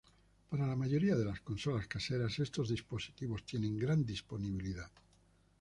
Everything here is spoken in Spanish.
Para la mayoría de las consolas caseras estos dispositivos tienen gran disponibilidad.